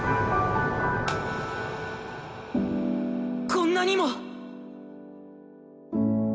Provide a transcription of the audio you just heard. こんなにも